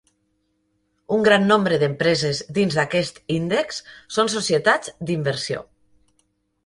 Un gran nombre d'empreses dins d'aquest índex són societats d'inversió.